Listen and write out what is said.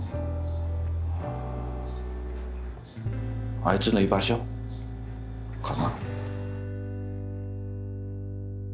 あいつの居場所かな。